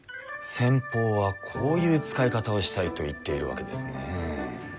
先方はこういう使い方をしたいと言っているわけですね。